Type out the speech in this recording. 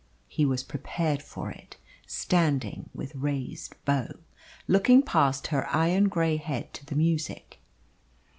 He was prepared for it, standing with raised bow, looking past her iron grey head to the music.